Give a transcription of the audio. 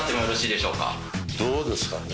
どうですかね？